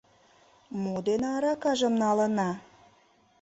— Мо дене аракажым налына?